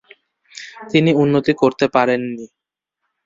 তিনি উন্নতি করতে পারেননি।